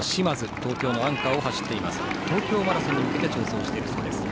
東京マラソンに向けて調整しているそうです。